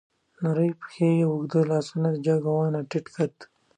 نرۍ پښې، اوږده لاسونه، جګه ونه، ټيټ قد